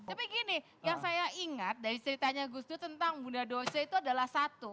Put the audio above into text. tapi gini yang saya ingat dari ceritanya gus dur tentang bunda dosi itu adalah satu